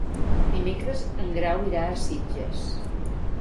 Dimecres en Grau irà a Sitges.